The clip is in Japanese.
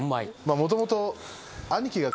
もともと。